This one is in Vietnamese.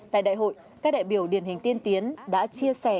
tại đại hội các đại biểu điển hình tiên tiến đã chia sẻ